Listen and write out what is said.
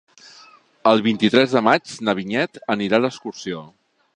El vint-i-tres de maig na Vinyet anirà d'excursió.